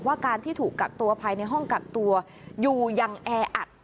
การที่ถูกกักตัวภายในห้องกักตัวอยู่อย่างแออัด